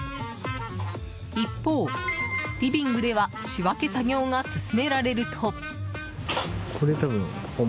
一方、リビングでは仕分け作業が進められると。